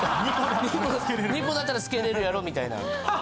「２個だったらつけれるやろ」みたいな。